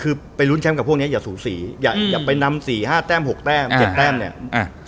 คือไปลุ้นแชมป์กับพวกเนี้ยอย่าสูสีอย่าอย่าไปนำสี่ห้าแต้มหกแต้มเจ็ดแต้มเนี้ยอ่า